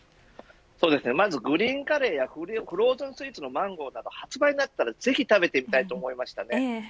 そうですね、まずグリーンカレーやフローズンスイーツのマンゴーなど発売になったらぜひ食べてみたいと思いました。